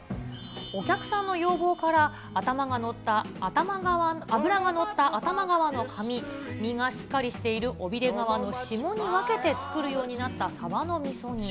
お客さんの要望から、脂が乗った頭側のカミ、身がしっかりしている尾びれ側のシモに分けて作るようになったサバのみそ煮。